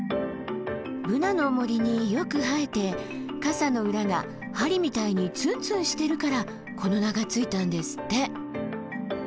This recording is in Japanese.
ブナの森によく生えて傘の裏が針みたいにツンツンしてるからこの名が付いたんですって。